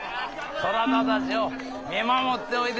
そなたたちを見守っておいでだ。